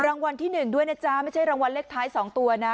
รางวัลที่๑ด้วยนะจ๊ะไม่ใช่รางวัลเลขท้าย๒ตัวนะ